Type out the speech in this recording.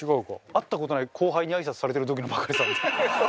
会った事ない後輩にあいさつされてる時のバカリさん。